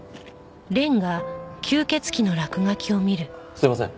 すいません。